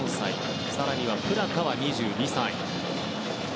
更には、プラタは２２歳。